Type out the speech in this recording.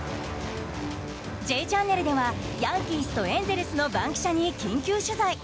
「Ｊチャンネル」ではヤンキースとエンゼルスの番記者に緊急取材。